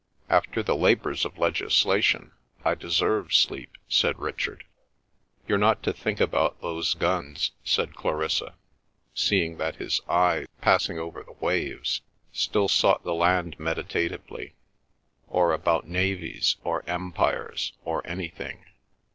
"After the labours of legislation, I deserve sleep," said Richard. "You're not to think about those guns," said Clarissa, seeing that his eye, passing over the waves, still sought the land meditatively, "or about navies, or empires, or anything."